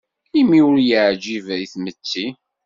Imi ur yeɛjib i tmetti.